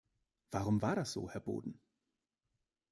Warum war das so, Herr Boden?